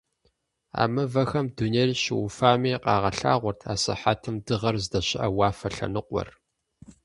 А мывэхэм дунейр щыуфами къагъэлъагъуэрт асыхьэтым дыгъэр здэщыӀэ уафэ лъэныкъуэр.